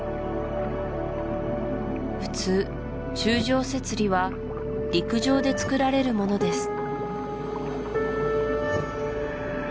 普通柱状節理は陸上で作られるものです